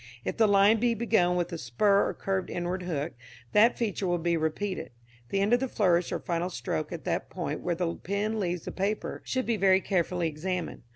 If the line be begun with a spur or curved inward hook, that feature will be repeated. The end of the flourish or final stroke, at the point where the pen leaves the paper, should be very carefully examined.